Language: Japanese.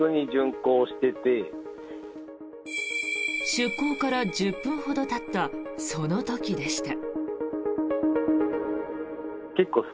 出航から１０分ほどたったその時でした。